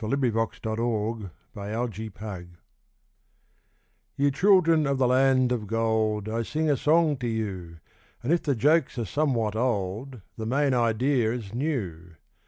THE BALLAD OF MABEL CLARE Ye children of the Land of Gold, I sing a song to you, And if the jokes are somewhat old, The main idea's new.